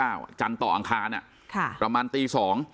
อังคารนั่นประมาณตี๒